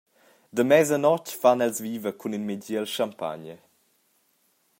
Da mesa notg fan els viva cun in migiel champagner.